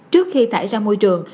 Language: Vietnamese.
trước khi thải ra môi trường